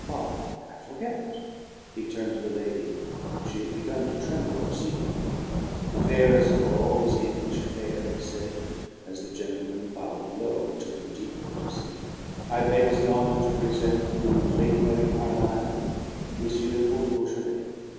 But I forget." He turned to the lady. She had begun to tremble exceedingly. "Faires' of all the English fair," he said, as the gentlemen bowed low to her deep courtesy, "I beg the honor to presen' to Lady Mary Carlisle, M. le Comte de Beaujolais.